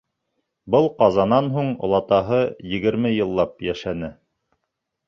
Был ҡазанан һуң олатаһы егерме йыллап йәшәне.